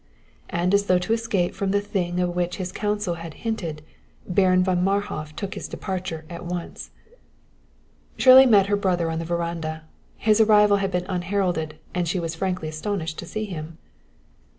And as though to escape from the thing of which his counsel had hinted, Baron von Marhof took his departure at once. Shirley met her brother on the veranda. His arrival had been unheralded and she was frankly astonished to see him.